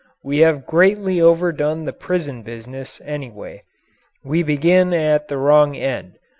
We have greatly overdone the prison business, anyway; we begin at the wrong end.